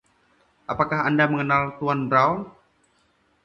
Apakah Anda mengenal tuan Brown?